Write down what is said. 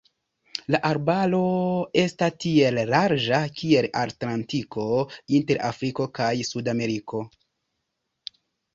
La arbaro esta tiel larĝa kiel Atlantiko inter Afriko kaj Sudameriko.